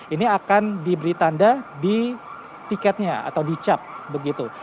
ini akan diberi tanda di tiketnya atau di cap begitu